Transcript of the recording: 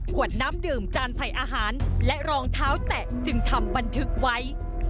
ขวดน้ำดื่มจานใส่อาหารและรองเท้าแตะจึงทำบันทึกไว้